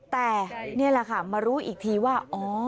แต่นี่แหละค่ะมารู้อีกทีว่า